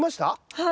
はい。